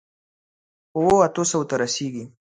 خو، اوو، اتو سووو ته رسېږي.